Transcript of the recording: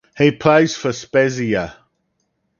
He plays for Spezia.